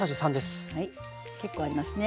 結構ありますね。